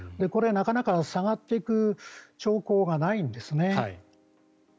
これ、なかなか下がっていく兆候がないんですね。